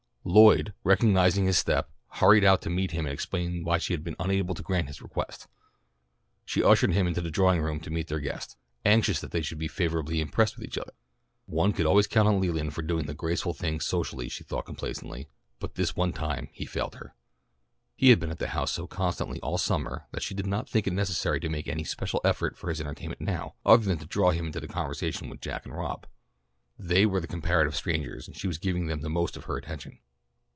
Lloyd, recognizing his step, hurried out to meet him and explain why she had been unable to grant his request. She ushered him into the drawing room to meet their guest, anxious that they should be favourably impressed with each other. One could always count on Leland for doing the graceful thing socially she thought complacently, but this one time he failed her. He had been at the house so constantly all summer that she did not think it necessary to make any special effort for his entertainment now, other than to draw him into the conversation with Jack and Rob. They were the comparative strangers and she was giving them the most of her attention.